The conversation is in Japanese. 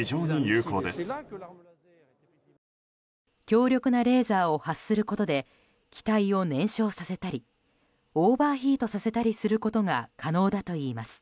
強力なレーザーを発することで機体を燃焼させたりオーバーヒートさせたりすることが可能だといいます。